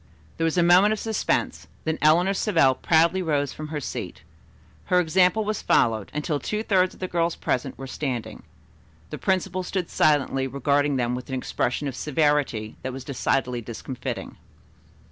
There was a moment of suspense, then Eleanor Savell proudly rose from her seat. Her example was followed, until two thirds of the girls present were standing. The principal stood silently regarding them with an expression of severity that was decidedly discomfitting.